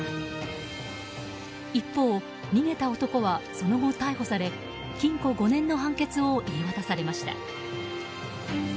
一方、逃げた男はその後逮捕され禁錮５年の判決を言い渡されました。